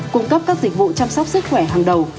cung cấp các dịch vụ chăm sóc sức khỏe hàng đầu